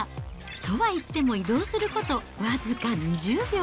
とはいっても、移動すること僅か２０秒。